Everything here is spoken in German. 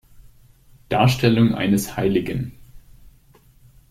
Darstellung eines Hl.